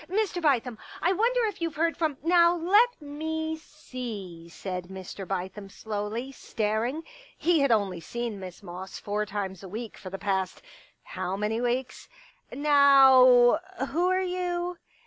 " Mr. Bithem, I wonder if you Ve heard from ...'*" Now let me see," said Mr. Bithem slowly, staring ; he had only seen Miss Moss four times a week for the past — how many weeks ?" Now, who are you